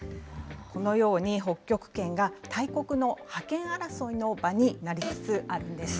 このように、北極圏が大国の覇権争いの場になりつつあるんです。